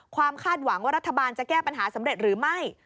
คาดหวังว่ารัฐบาลจะแก้ปัญหาสำเร็จหรือไม่